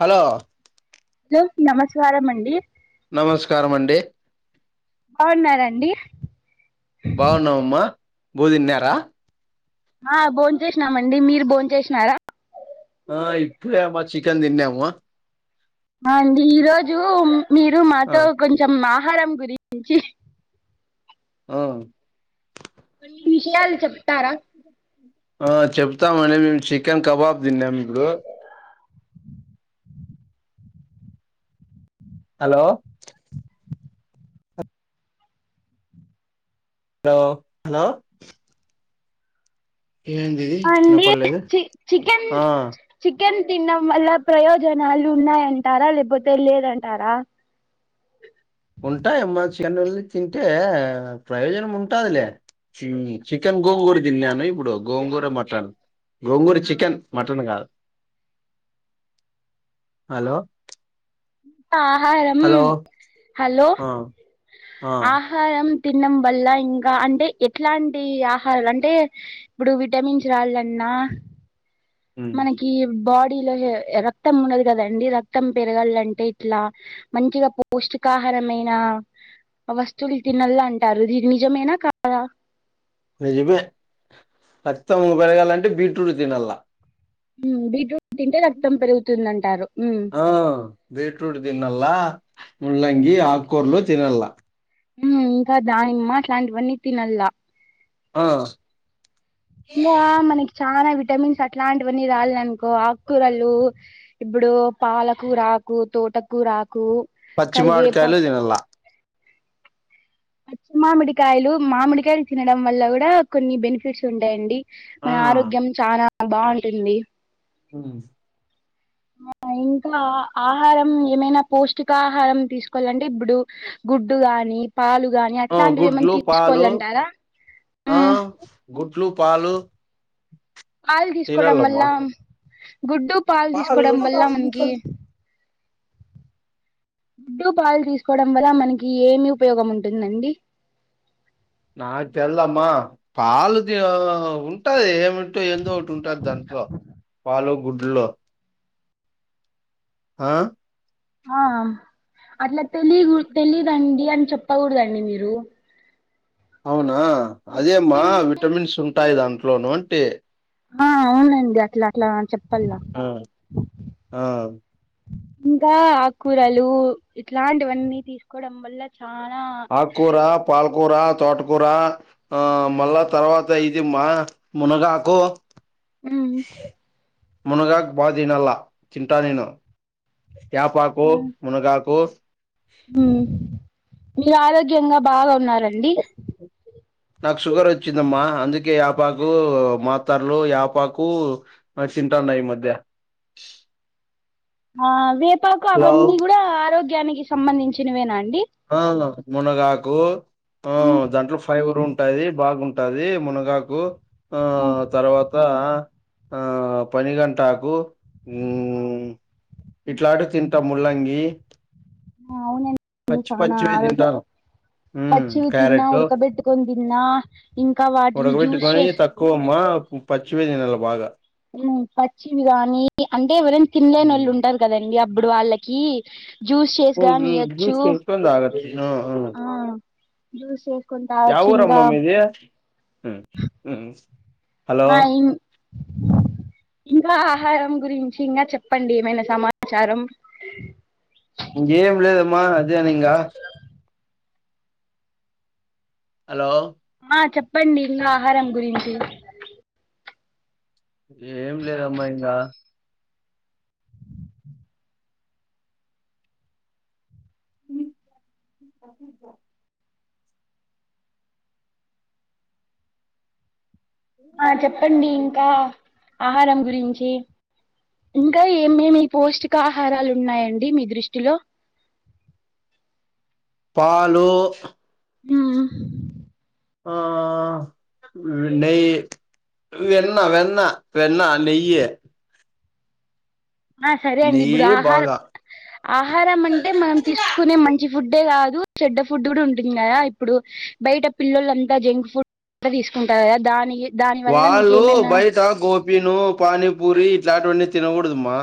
Hello hello నమస్కారం అండి నమస్కారం అండి బాగున్నరా అండి బాగున్నాఅమ్మ బువ్వ తిన్నారా ఆ భోన్ చేసినామండి మీరు భోన్ చేసినారా ఆ ఇప్పుడే ఆమ్మ చికెన్ తిన్నాము అ అండి ఈరోజు మ్ మీరు ఆ మాతో కొంచెం మా అరమ్ గురించి ఆ కొన్ని విషయాలు చెప్తారా ఆ చెప్తామండి మేము చికెన్ కబాబ్ తిన్నాం ఇప్పుడు హలో హలో హలో ఏందిది అండి వినపడలేదు చి చికెన్ ఆ చికెన్ తినడం వల్ల ప్రయోజనాలు ఉన్నాయంటారా లేకపోతే లేదంటారా ఉంటాయమ్మ చికెన్ తింటే ప్రయోజనం ఉంటాదిలే చికెన్ గోంగూర తిన్నాను ఇప్పుడు గోంగూర మటన్ గోంగూర చికెన్ మటన్ కాదు హలో ఆహారం హలో హలో ఆ ఆ ఆహారం అం తినడం వల్ల ఇంకా అంటే ఎట్లాంటి ఆహారం అంటే ఇప్పుడు విటమిన్స్ రాళ్ళన్నా మనకి బా డిలో హి రక్తం ఉండదు గదండి రక్తం పెరగల్లంటే ఎట్ల మంచిగా పోష్టికాహారమైన వస్తువులు తినల్ల అంటారు ఇది నిజమేనా కాదా నిజమే రక్తం పెరగల్లంటే బీట్రూట్ తినల్ల ఉ బీట్రూట్ తింటే రక్తం పెరుగుతుందంటారు ఉమ్, ఆ బీట్రూట్ దిన్నల్లా ముల్లంగి ఆక్కూర్లు తినల్ల ఊ ఇంకా దానిమ్మ అట్లాంటివన్నీ తినల్ల ఆ ఇంగా మనకి చాన విటమిన్స్ అట్లాంటివన్నీ రాల్లనుకో ఆక్కూరలు ఇప్పుడు పాలకురాకు తోటకూరాకు పచ్చి కరివేపాకు మామిడికాయలు తినల్ల పచ్చి మామిడికాయలు మామిడికాయలు తినడం వల్ల కూడా కొన్ని బెనిఫిట్స్ ఉంటాయండి ఆ మన ఆరోగ్యం చాలా బాగుంటుంది ఊ ఆ ఇంకా ఆహారం ఏమైనా పౌష్టికాహారం తీసుకోవాలంటే ఇప్పుడు గుడ్డు గాని పాలు గాని ఆ అట్లాంటివి యేమన్న గుడ్లు పాలు తిచ్చుకోవాలంటారా ఆ గుడ్లు పాలు పాలు తీసుకోవడం వల్ల తినల్లమ్మా గుడ్డు పాలు తీసుకోవడం వల్ల మనకి గుడ్డు పాలు తీసుకోవడం వల్ల మనకి ఏమి ఉపయోగం ఉంటుందండి నాకు తెల్దమ్మా పాలుంది ఉంటాది ఏమంటో ఏందో ఒకటి ఉంటది దాంట్లో పాలు గుడ్లు ఆ ఆ అట్లా తెలీగుడుద్ తెలీదండి అని చెప్పకూడదండి మీరు అవును ఆ మీరు అదే అమ్మా చెప్పిన విటమిన్స్ ఉంటాయి దాంట్లో నంటి ఆ అవునండి అట్లా అట్లన చెప్పల్ల ఆ ఆ ఇంకా ఆక్కూరలు ఇట్లాంటివన్నీ తీసుకోవడం వల్ల చానా ఆక్కురా పాలకురా తోటకర ఆ మళ్ళా తర్వాత ఇది మ్మా మునగాకు మ్ మున్నగకు బా తిన్నాల తింటా నేను యాపాకో మునగాకో ఉమ్ మీరు ఆరోగ్యంగా బాగా ఉన్నారు రండి నాకు షుగర్ వచ్చిందమ్మా అందుకే ఆయాపాకు మాతరలు ఆయాపాకు తింటాన్నా ఈ మధ్య ఆ వి పాకు హలో అవన్నీ కూడా ఆరోయ నికి సంబంధించినవి నా ఆ మునగాకు ఆ ఉమ్ దాంట్లో ఫైవర్ ఉం ఉంటది బాగుంటుది మునగాకు ఆ ఉమ్ తర్వాత ఆ పనిగంటకు అ ఇట్లాంటి తింటా ముల్లంగి అవును అన్ని పచ్చి చాల పచ్చివే ఆరోగ్య తింటాను ఉమ్ పచ్చివి తిన్నా క్యారెట్ ఉడకబెట్టుకొని తిన్నా ఇంకా వాటిని జ్యూస్ చే పాచివే తినాలి బాగా ఉమ్ పచ్చివి కానీ అంటే ఎవరైనా తిన్నాలేనోళ్లు ఉమ్. ఉంటారు కదండి అప్పుడు వాళ్ళకి జ్యూస్ అ చేసి ఉమ్ గాని జూస్ ఇయ్యొచ్చు చేసుకుని తాగొచ్చా ఆ జ్యూస్ చేసుకొని ఏ తాగొచ్చు ఊర ఇంకా అమ్మమ్ది ఆ ఈ ఇంకా ఆహారం గురించి ఇంకా చెప్పండి ఏమైనా సమాచారం ఇంకా ఏం లేదమ్మా అదేనింగా హలో ఆ చెప్పండి ఇంకా ఆహారం గురించి ఏం లేదమ్మా ఇంకా మ్ ఆ చెప్పండి ఇంకా ఆహారం గురించి ఇంకా ఏమేమి ఈ పౌష్టికాహ ఆహారాలు ఉన్నాయండి మీ దృష్టిలో పాలు ఉమ్ ఆ నెయ్యి వెన్నా వెన్నా వెన్నా నెయ్యి ఆ సరే అండి ఇప్పుడు నెయ్యి ఆహారం బాగా ఆహారం అంటే మనం తీసుకునే మంచి ఫుడ్ కాదు చెడ్డ ఫుడ్ కూడా ఉంటుంది కదా ఇప్పుడు బయట పిల్లలు అంతా జంక్ ఫుడ్ తీసుకుంటారు కదా దానికి వాళ్ళ బయట గోపి ను పాని పూరి ఇట్లాంటివన్నీ తినకూడదుమా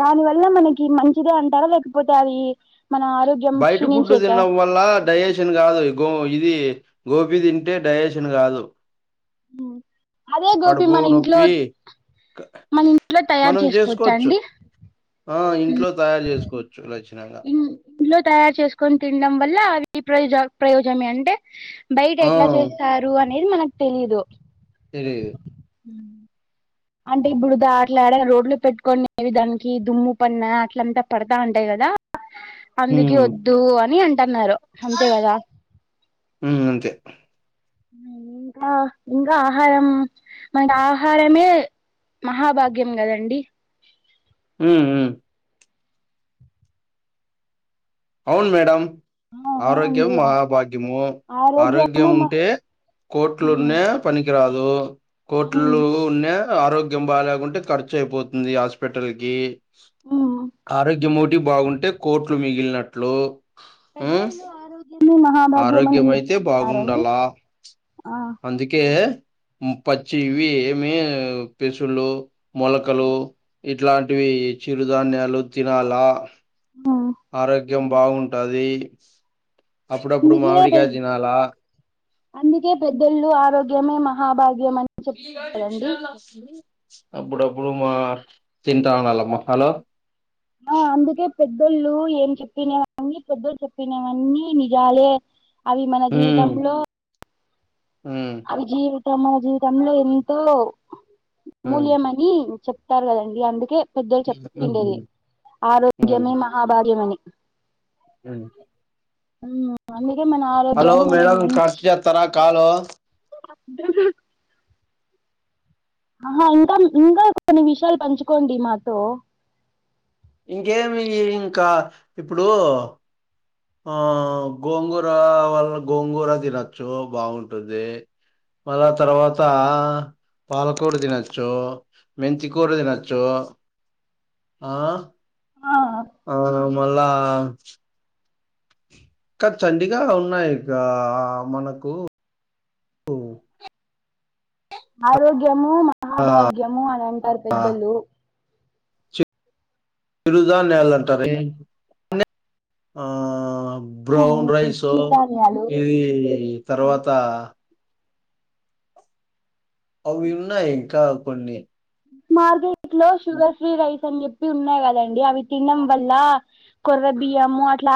దాని వల్ల మనకి మంచిదే అంటారా లేకపోతే అది మన ఆరోగ్యం బయట ఫుడ్ క్షీణించేకా తన్నడం వల్ల డైజెషన్ కాదుో ఇది ఇది గోపి తింటే డైజేషన్ కాదు అదే గోబీ కడుపు మన ఇంట్లో నొప్పి క- మన ఇంట్లో తయారు మనం చేసుకోవచ్చా చేసుకోవచ్చు అండి ఆ ఇంట్లో తయారు చేసుకోవచ్చు నచ్చ ఊ ఇంట్లో తయారు చేసుకొని తినడం వల్ల అది ప్రయోజ ప్రయోజనమే అంటే బయట ఆ ఎట్లా చేస్తారు అనేది మనకు తెలియదు తెలియదు ఉ అంటే ఇప్పుడుదా అట్లాడ రోడ్లు పెట్టుకనే విధానికి దుమ్ము పన్న అట్లంతా పడతా ఉంటాయి కదా అందుకె ఉమ్, వద్దు అని అంట తన్నారు అంతే కదా ఉ అంతే ఇంకా ఇంకా ఆహారం మన ఆహారమే మహాభాగ్యం కదండి ఉ ఉ అవును మేడమ్ ఆ ఆరోగ్యం అవునండి ఆ మహాభాగ్యము ఆరోగ్యం ఆరోగ్యము మ ఉంటే కోట్లున్న హ్మ్ పనికి ఇగ రాదూ కోట్లు ఉన్నా ఆరోగ్యం బాలేకుంటే ఖర్చు అయిపోతుంది హాస్పిటల్కి హ్మ్ ఆరోగ్యం ఒకటి బాగుంటే కోట్లు మిగి ఇల్లట్ ట్లో పెద్దళ్లు ఆరోగ్యం ఆరోగ్యమయితే బాగుండాల ఆ అందుకే పచ్చి ఇవి ఏమి పేసుళ్లు మొలకలు ఇ ఇట్లాంటివి చిరుధాన్యాలు తినాలా ఆ ఏం బాగుంటది అప్పుడప్పుడు అందుకే పె మామిడికాయ తినాలా అందుకే పెద్దోళ్ళు ఆరోగ్యమే మహాభాగ్యం ఈరోజు అంటారండి చాలా అసలు అప్పుడప్పుడు మా తింటా ఉండాలమ్మ హలో ఆ అందుకే పెద్దోళ్ళు ఏం చెప్పినవీ పెద్దోళ్ళు చెప్పినవన్నీ నిజాలే అవి మన జీవితంలో మ్మ్ అవి జీవితం మన జీవితంలో ఎంతో ఉమ్, మూల్యమనీ చెప్తారు కదండి అందుకే పెద్దలు చెప్తుండేది ఉమ్, ఆరోగ్యమే మహాభాగ్యం అని మ్మ్ ఉమ్ అండి హలో మేడం కట్ చేత్తారా కాల్ ఆహా ఇంకా ఇంకా కొన్ని విషయాలు పంచుకోండి మాతో ఇంకేమి ఇంకా ఇప్పుడు ఆ గోంగూర వల్ల గోంగూర తినొచ్చు బాగుంటుంది, మళ్ళా తర్వాత పాలకూర తినొచ్చు మెంతికూర తినొచ్చు ఆ. ఆ ఆ అమ్ మళ్ళా ఇంకా చండీగా ఉన్నాయి ఆ ఆ మనకు ఆరోగ్య ము భాగ్యము మహాభాగ్యము అని అంటారు ఆ! పెద్దలు తిరుజా నళ్ళంటారే అ ఆ బ్రౌన్ ఉమ్, రైసు చిరుధాన్యాలు ఇది తర్వాత అవి ఉన్నాయి ఇంకా కొన్ని భార్గయి ఒంట్లో షుగర్ ఫ్రీ అయి అని చెప్పి ఉన్నాయి కదండి అవి తినడం వల్ల కొర్ర బియ్యము అట్లా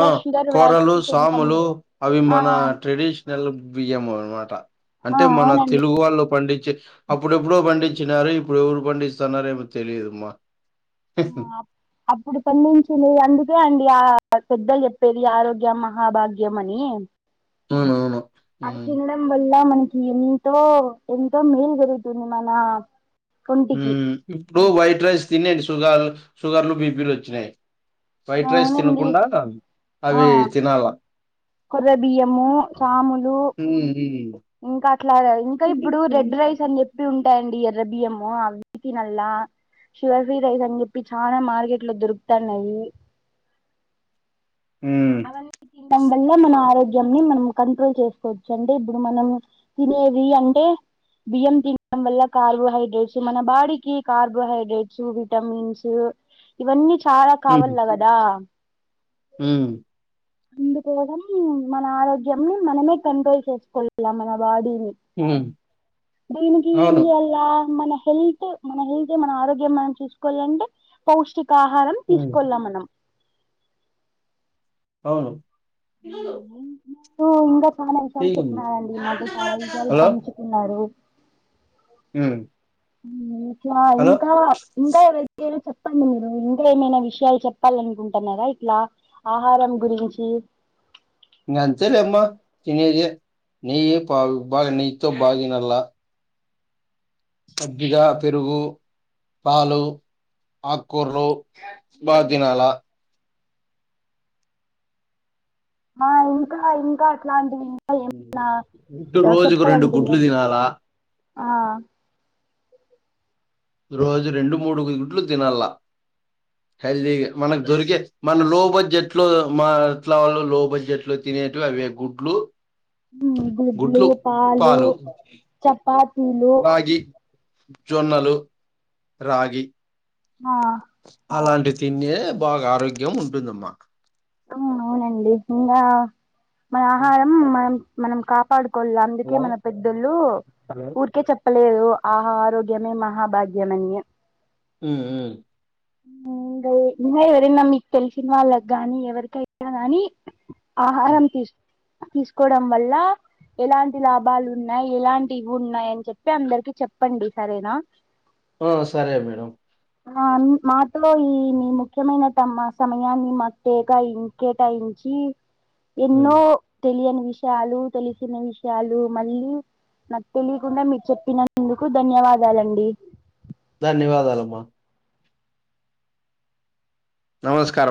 ఆ కోర్రలు కొంచెం సాములు అవి ఆ మన ట్రెడిషన్ నెల బియ్యము అనమాట ఆ అంటే మన అవునండి తెలుగు వాళ్ళు పండి అప్పుడు ఎప్పుడో పండించినారు ఇప్పుడు ఎవరు పండిస్తున్నారో ఏమో తెలియదమ్మా ఆ అప్పుడు పండించిన అందుకే అండి ఆ పెద్దలు చెప్పేది ఆరోగ్యం మహాభాగ్యంమని అవునవును. అ హ్మ్. తినడం వల్ల మన ఎంతో ఎంతో మేలు జరుగుతుంది మన మ్మ్ ఒంటికి మ్మ్ ఇప్పుడు వైట్ రైస్ తినే షుగర్ షుగర్లు బిపిలు వచ్చినాయి వైట్ రైస్ అవునండి తినకుండా ఆ అవి తినాల. కొర్ర బియ్యము సాములు హ్మ్. ఇంకా అట్లా ఇంకా ఇప్పుడు రెడ్ హ్మ్. రైస్ అని చెప్పి ఉంటాయి ఇది ఎర్ర బియ్యం నల్ శివశ్రీ రైస్ అ చెప్పి చానా మార్కెట్ లో దురుకుతానయి మ్మ్ టం వల్ల మన ఆరోగ్యం మనం కంట్రోల్ చేసుకోవచ్చు అంటే ఇప్పుడు మనం తినేది అంటే బియ్యం తినడం వల్ల కార్బోహైడ్రేట్స్ మన బాడీకి కార్బోహైడ్రేట్స్ విటమిన్స్ ఇవి అన్ని చాలా కావల్లా కదా మ్మ్ అందుకోసామ్ మన ఆరోగ్యంని మనమే కంట్రోల్ చేసుకోవాలీ మన బాడీ హ్మ్. దీనికి ఏం అవును. చేయాలా మన హెల్త్ మన హెల్త్ మన ఆరోగ్యం మనం చూసుకోవాలి అంటే పౌష ఆహారం హ్మ్. తీసుకోల మనం అవును ఇంగ చే చాలా అంషాలు చెప్పినారండి మాతో చాలా విషలు హలో! పంచుకున్నారు మ్మ్ హ ఇలా ఇంకా ఇంకా ఎవరయితే చెప్ చెప్పండి మీరు ఇంకా ఏమైనా విషయాలు చెప్పాలనుకుంటన్నారా ఇట్లా ఆహారం గురించి అంతెలేమ్మా తినేదె నెయ్యే పాలు బాగా నెయ్యి తో బ తినల్లా కోద్దిగా పెరుగు పాలు ఆకుకూరలు బతినాల ఆ ఇంకా ఇంకా అట్లాంటి గుడ్డు రోజుకు రెండు గుడ్లు చెప్పాలనుకుంటారు తినాలా ఆ రోజు రెండు మూడు గుడ్లు తినాల హెల్దీగా మనకు దొరికే మన లో బడ్జెట్ లో మా ఎట్లా వాళ్ళు లో బడ్జెట్ లో తినేటవి అవి గుడ్లు గుడ్లు పాలు చప్ పాతిలు రాగి జొన్నలు రాగి ఆ తిండే బాగా ఆరోగ్యం ఉంటందమ్మా అవును అవునండి ఇంగా మ ఆహారం మనా మనం కాపాడు కొళ అందుకే హలో మన పెద్దలు ఊరికే చెప్ప చెప్పలేదు ఆహ ఆరోగ్యమే మహాభాగ్యమ అని మ్మ్ హ్మ్ ఇంగ ఎవరైన మీకు తెలిసిన వాళ్ళకి గానీ ఎవరికైన కానీ ఆహారం తీష్ తీసుకోవడం వల్ల ఎలాంటి లాభాలు ఉన్నాయి ఎలాంటివి ఉన్నాయి అని చెప్పి అందరికి చెప్పండి సరేనా ఆ సరే మేడం ఆ మాతో ఈ మీ ముఖ్యమైన తమ సమయాన్ని మా తెకాయిం కేటాయించి ఎన్నో హ్మ్. తెలియనీ విషయాలు తెలిసిన విషయాలు మళ్ళీ నాకు తెలియకుండా మీరు చెప్పినందుకు ధన్యవాదాలండి ధన్యవాదాలుమ్మా నమస్కారం